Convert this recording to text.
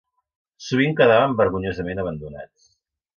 Sovint quedaven vergonyosament abandonats